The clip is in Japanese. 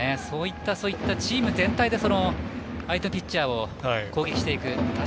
チーム全体で相手のピッチャーを攻撃していく。